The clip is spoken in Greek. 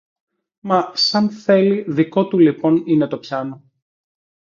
Μα σαν θέλει, δικό του λοιπόν είναι το πιάνο.